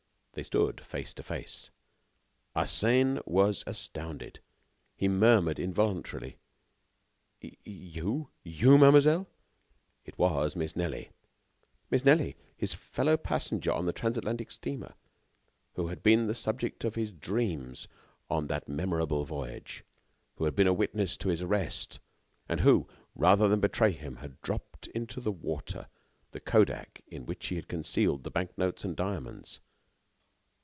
They stood face to face. Arsène was astounded. He murmured, involuntarily: "You you mademoiselle." It was Miss Nelly. Miss Nelly! his fellow passenger on the transatlantic steamer, who had been the subject of his dreams on that memorable voyage, who had been a witness to his arrest, and who, rather than betray him, had dropped into the water the Kodak in which he had concealed the bank notes and diamonds.